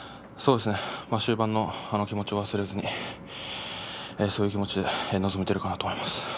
終盤の気持ちを忘れずにそういう気持ちで臨めているかなと思います。